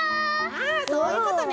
あそういうことね。